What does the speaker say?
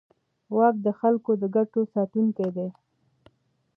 واک د خلکو د ګټو ساتونکی دی.